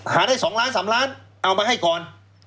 หาได้๒๓ล้านเอามาให้ก่อน